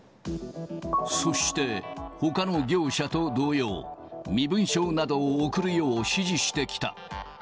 そして、ほかの業者と同様、身分証などを送るよう指示してきた。